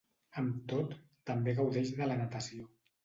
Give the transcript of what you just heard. Amb tot, també gaudeix de la natació.